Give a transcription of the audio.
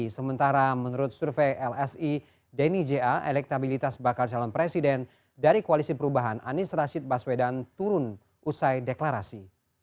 sementara menurut survei lsi denny ja elektabilitas bakal calon presiden dari koalisi perubahan anies rashid baswedan turun usai deklarasi